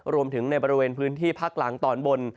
ในบริเวณพื้นที่ภาคกลางตอนบน